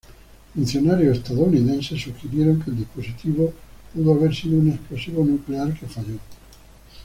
Funcionarios estadounidenses sugirieron que el dispositivo pudo haber sido un explosivo nuclear que falló.